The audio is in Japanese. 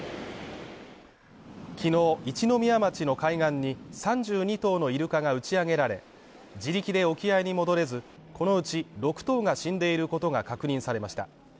昨日一宮町の海岸に３２頭のイルカが打ち上げられ、自力で沖合に戻れず、このうち６頭が死んでいることが確認されました。